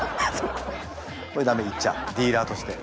これダメ言っちゃディーラーとして。